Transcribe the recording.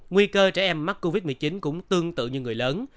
nguy cơ trẻ em mắc covid một mươi chín cũng tương tự như người lớn